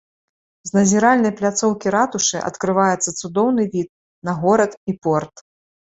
З назіральнай пляцоўкі ратушы адкрываецца цудоўны від на горад і порт.